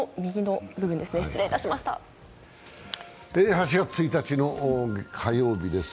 ８月１日の火曜日です。